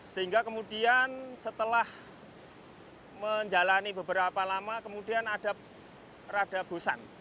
sehingga kemudian setelah menjalani beberapa lama kemudian ada peradaban